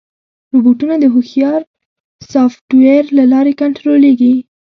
روبوټونه د هوښیار سافټویر له لارې کنټرولېږي.